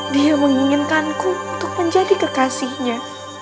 dia menginginkanku untuk menjadi kekasihnya